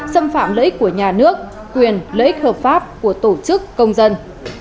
xâm phạm lợi ích của nhà nước quyền lợi ích hợp pháp của tổ chức công dân